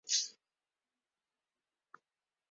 Hence you cannot roll back the command.